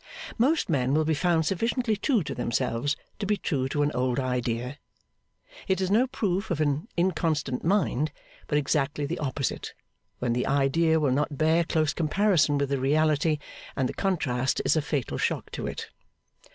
Most men will be found sufficiently true to themselves to be true to an old idea. It is no proof of an inconstant mind, but exactly the opposite, when the idea will not bear close comparison with the reality, and the contrast is a fatal shock to it.